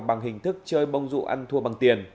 bằng hình thức chơi bông rụ ăn thua bằng tiền